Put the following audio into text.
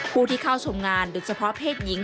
ผู้ที่เข้าชมงาน